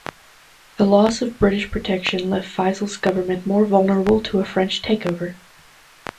The loss of British protection left Faisal's government more vulnerable to a French takeover.